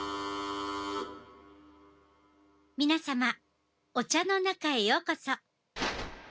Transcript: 皆様、お茶の中へようこそ。